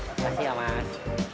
terima kasih ya mas